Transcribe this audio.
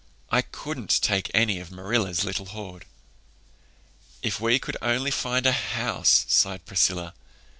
I couldn't take any of Marilla's little hoard." "If we could only find a house!" sighed Priscilla.